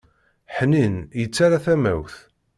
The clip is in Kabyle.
Ḥnin, yettarra tamawt.